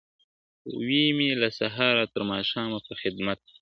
وي مي له سهاره تر ماښامه په خدمت کي ,